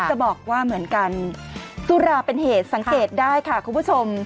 จะบอกว่าเหมือนกันสุราเป็นเหตุสังเกตได้ค่ะคุณผู้ชม